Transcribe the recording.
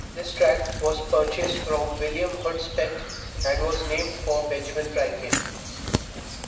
This tract was purchased from William Hudspeth and was named for Benjamin Franklin.